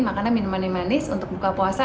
makanan minuman yang manis untuk buka puasa